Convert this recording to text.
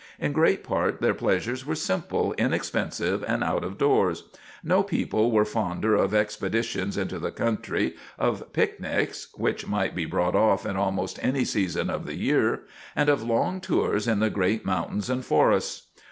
In great part their pleasures were simple, inexpensive and out of doors. No people were fonder of expeditions into the country, of picnics which might be brought off at almost any season of the year and of long tours in the great mountains and forests.